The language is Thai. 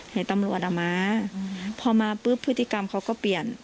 เห็นตำรวจอ่ะมาพอมาปุ๊บพฤติกรรมเขาก็เปลี่ยน